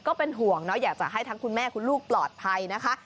ก็เป็นห่วงเนาะอยากจะให้ทั้งคุณแม่คุณลูกปลอดภัยนะคะ